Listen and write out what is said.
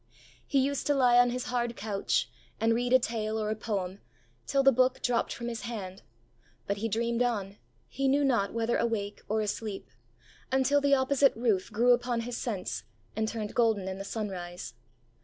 He used to lie on his hard couch, and read a tale or a poem, till the book dropped from his hand; but he dreamed on, he knew not whether awake or asleep, until the opposite roof grew upon his sense, and turned golden in the sunrise.